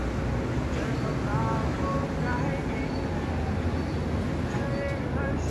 担任天津滨海新区塘沽环卫工人。